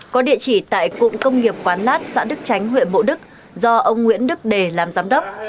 có địa chỉ tại cụng công nghiệp quán lát xã đức tránh huyện bộ đức do ông nguyễn đức đề làm giám đốc